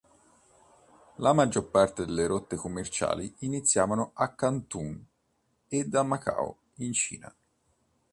La maggior parte delle rotte commerciali iniziavano a Canton ed a Macao in Cina.